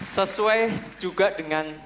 sesuai juga dengan